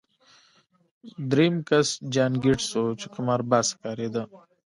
درېیم کس جان ګیټس و چې قمارباز ښکارېده